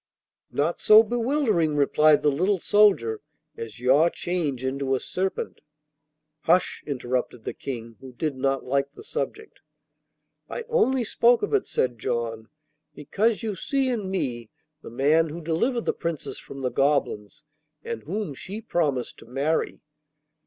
'Not so bewildering,' replied the little soldier, 'as your change into a serpent.' 'Hush!' interrupted the King, who did not like the subject. 'I only spoke of it,' said John, 'because you see in me the man who delivered the Princess from the goblins and whom she promised to marry.